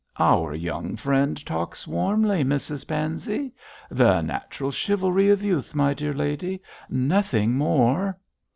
'Our young friend talks warmly, Mrs Pansey. The natural chivalry of youth, my dear lady nothing more.'